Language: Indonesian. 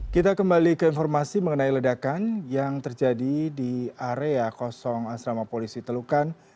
kita kembali ke informasi mengenai ledakan yang terjadi di area kosong asrama polisi telukan